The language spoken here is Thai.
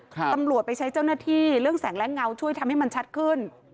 ตำรวจไปใช้เจ้าหน้าที่เรื่องแสงและเงาช่วยทำให้มันชัดขึ้น